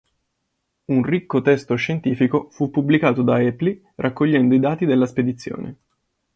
Un ricco testo scientifico fu pubblicato da Hoepli raccogliendo i dati della spedizione.